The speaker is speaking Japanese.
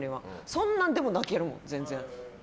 そんなんでも泣けるもん、全然。